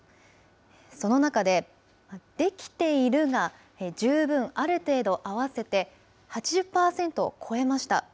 その中で、できているが、十分、ある程度、合わせて８０％を超えました。